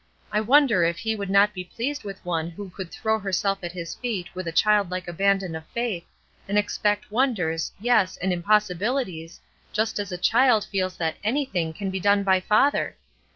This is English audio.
I wonder if He would not be pleased with one who could throw herself at His feet with a childlike abandon of faith, and expect wonders, yes, and impossibilities, just as a child feels that anything can be done by father?